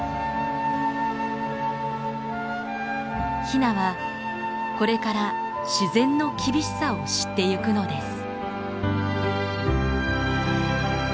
ヒナはこれから自然の厳しさを知ってゆくのです。